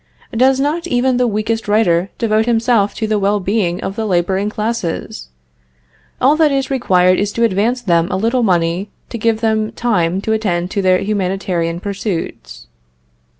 Does not even the weakest writer devote himself to the well being of the laboring classes? All that is required is to advance them a little money to give them time to attend to their humanitarian pursuits.